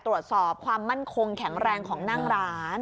ความมั่นคงแข็งแรงของนั่งร้าน